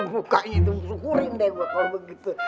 mukanya itu suhurin deh gua kalau begitu